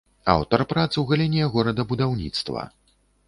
Аўтар прац у галіне горадабудаўніцтва.